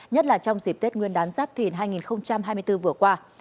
nhất là trong dịp tết nguyên đán giáp thìn hai nghìn hai mươi bốn vừa qua